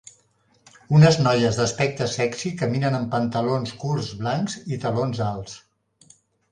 Unes noies d'aspecte sexy caminen amb pantalons curts blancs i talons alts.